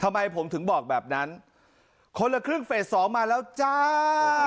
ทำไมผมถึงบอกแบบนั้นคนละครึ่งเฟสสองมาแล้วจ้า